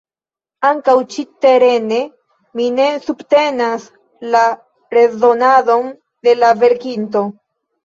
Ankaŭ ĉi-terene mi ne subtenas la rezonadon de la verkinto.